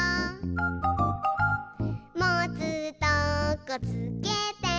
「もつとこつけて」